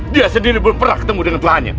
dia sendiri belum pernah ketemu dengan telanya